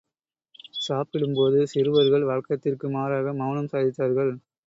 சாப்பிடும்போது சிறுவர்கள் வழக்கத்திற்கு மாறாக மௌனம் சாதித்தார்கள்.